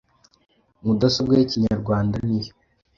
mudasobwa y’ikinyarwanda niyo